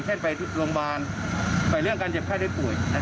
เช่นไปโรงพยาบาลไปเรื่องการเจ็บไข้ได้ป่วย